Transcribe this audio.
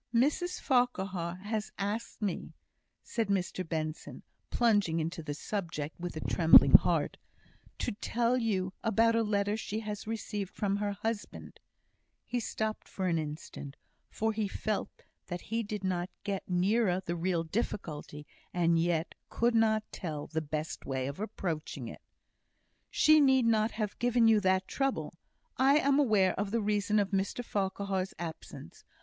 "Mrs Farquhar has asked me," said Mr Benson, plunging into the subject with a trembling heart, "to tell you about a letter she has received from her husband;" he stopped for an instant, for he felt that he did not get nearer the real difficulty, and yet could not tell the best way of approaching it. "She need not have given you that trouble. I am aware of the reason of Mr Farquhar's absence.